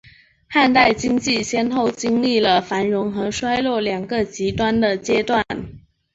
汉代经济先后经历了繁荣和衰落两个极端的阶段。